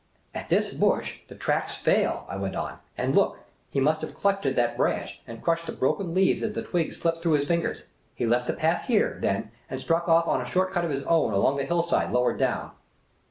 " At this bush, the tracks fail," I went on ;" and, look, he must have clutched at that branch and crushed the broken leaves as the twigs slipped through his fingers. He left the path here, then, and struck off on a short cut of his own along the hillside, lower down.